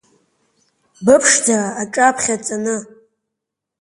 Быԥшӡара аҿаԥхьа, ҵаны?